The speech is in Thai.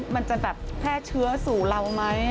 มันจะแบบแพร่เชื้อสู่เราไหม